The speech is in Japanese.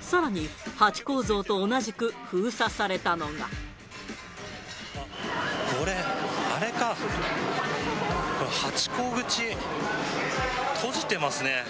さらに、ハチ公像と同じく封これ、あれか、ハチ公口、閉じてますね。